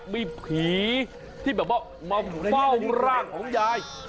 มีผีที่แบบว่ามาเฝ้าร่างของยาย